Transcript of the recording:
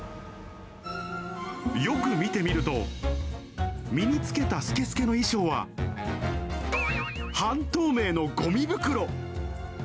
よく見てみると、身に着けたすけすけの衣装は、半透明のごみ袋。